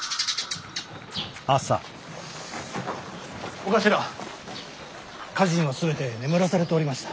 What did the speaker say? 長官家人は全て眠らされておりました。